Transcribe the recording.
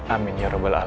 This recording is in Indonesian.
amin ya rabbal alamin